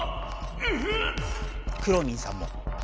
くろミンさんも。